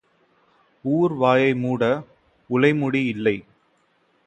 ஊர் வாயை மூட உலைமுடி இல்லை.